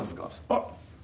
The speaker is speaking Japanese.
あっ！